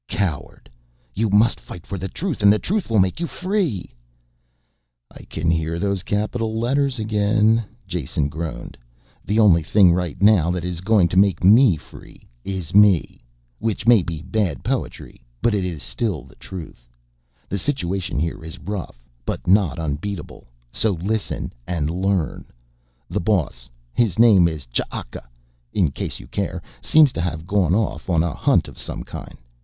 "Coward! You must fight for the Truth and the Truth will make you free." "I can hear those capital letters again," Jason groaned. "The only thing right now that is going to make me free is me. Which may be bad poetry, but is still the truth. The situation here is rough but not unbeatable so listen and learn. The boss, his name is Ch'aka in case you care, seems to have gone off on a hunt of some kind.